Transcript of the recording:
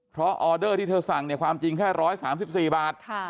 เพราะออเดอร์ที่เธอสั่งเนี่ยความจริงแค่๑๓๔บาท